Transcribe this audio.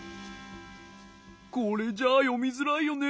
これじゃよみづらいよね。